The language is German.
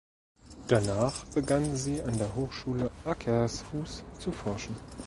Danach begann sie an der Hochschule Akershus zu forschen.